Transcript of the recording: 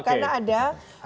karena ada satu